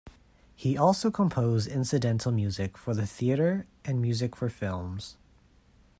He also composed incidental music for the theatre and music for films.